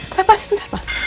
pa pa sebentar pa